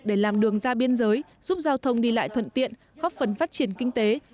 để làm đường ra biên giới giúp giao thông đi lại thuận tiện góp phần phát triển kinh tế